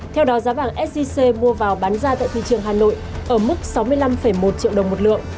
theo đó giá vàng sgc mua vào bán ra tại thị trường hà nội ở mức sáu mươi năm một triệu đồng một lượng